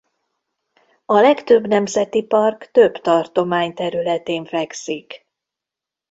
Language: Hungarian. A legtöbb nemzeti park több tartomány területén fekszik.